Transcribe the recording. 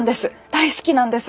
大好きなんです